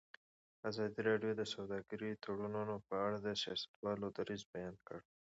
ازادي راډیو د سوداګریز تړونونه په اړه د سیاستوالو دریځ بیان کړی.